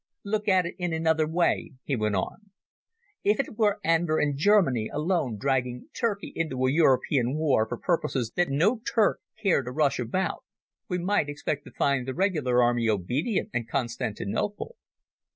"Look at it in another way," he went on. "If it were Enver and Germany alone dragging Turkey into a European war for purposes that no Turk cared a rush about, we might expect to find the regular army obedient, and Constantinople.